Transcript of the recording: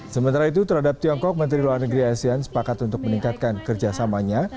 sementara itu terhadap tiongkok menteri luar negeri asean sepakat untuk meningkatkan kerjasamanya